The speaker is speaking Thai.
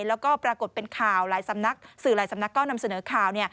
แล้วก็ปรากฏเป็นข่าวสื่อหลายสำนักก้อนำเสนอข่าว